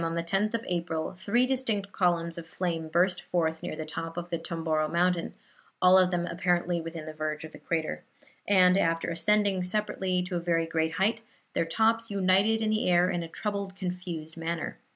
on the 10th of April, three distinct columns of flame burst forth near the top of the Tomboro mountain (all of them apparently within the verge of the crater), and, after ascending separately to a very great height, their tops united in the air in a troubled, confused manner.